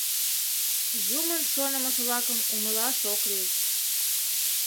Юмын шонымыж-влакым умылаш ок лий!